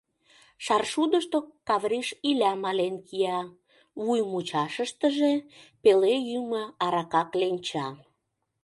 Шаршудышто Кавриш Иля мален кия, вуй мучаштыже пеле йӱмӧ арака кленча.